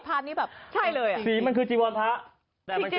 โทษจัด